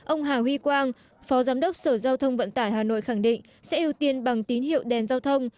ông hà huy quang phó giám đốc sở giao thông vận tải hà nội khẳng định sẽ ưu tiên bằng tín hiệu đèn giao thông